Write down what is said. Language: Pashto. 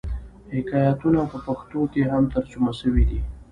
حکایتونه په پښتو کښي هم ترجمه سوي دي.